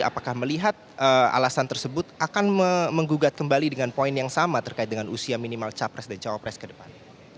apakah melihat alasan tersebut akan menggugat kembali dengan poin yang sama terkait dengan usia minimal capres dan cawapres ke depan